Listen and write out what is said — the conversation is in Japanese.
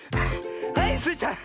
はいスイちゃん。